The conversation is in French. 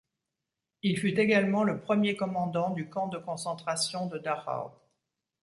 Il fut également le premier commandant du camp de concentration de Dachau.